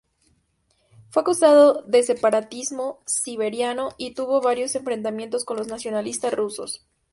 Fue acusado de separatismo siberiano y tuvo varios enfrentamientos con los nacionalistas rusos.